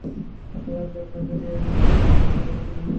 সবার চোখ ফাঁকি দিয়ে এখান থেকে বের হবো কীভাবে?